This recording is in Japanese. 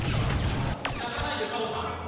あのなかないでサボさん。